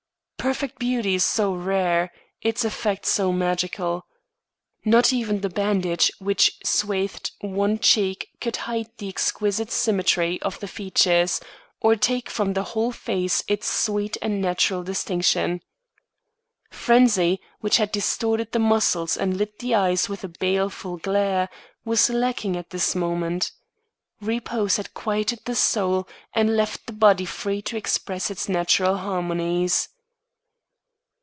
Perfect beauty is so rare, its effect so magical! Not even the bandage which swathed one cheek could hide the exquisite symmetry of the features, or take from the whole face its sweet and natural distinction. Frenzy, which had distorted the muscles and lit the eyes with a baleful glare, was lacking at this moment. Repose had quieted the soul and left the body free to express its natural harmonies.